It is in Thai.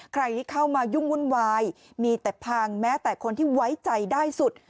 ใครที่เข้ามายุ่งวุ่นวายมีแต่พังแม้แต่คนที่ไว้ใจได้สุด